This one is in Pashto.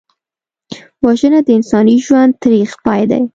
وژنه د انساني ژوند تریخ پای دی